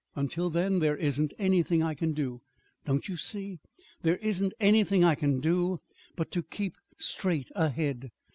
Until then, there isn't anything I can do don't you see? there isn't anything I can do but to keep straight ahead.